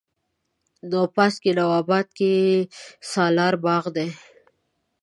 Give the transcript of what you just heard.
نواپاس، که نواباد که سالار باغ دی